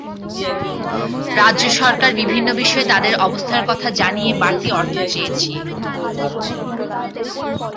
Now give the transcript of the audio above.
রাজ্য সরকার বিভিন্ন বিষয়ে তাদের অবস্থার কথা জানিয়ে বাড়তি অর্থ চেয়েছে।